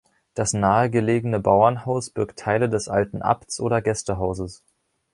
Das nahegelegene Bauernhaus birgt Teile des alten Abts- oder Gästehauses.